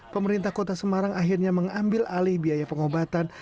pemerintah kota semarang akhirnya mengambil alih biaya pengobatan